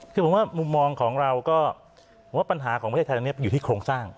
คือผมว่ามุมมองของเราก็ว่าปัญหาของประเทศไทยอันนี้อยู่ที่โครงสร้าง